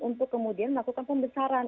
untuk kemudian melakukan pembesaran